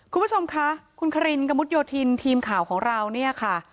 คุณผู้ชมคะคุณคารินกระมุดโยธินทีมข่าวของเราเนี่ยค่ะ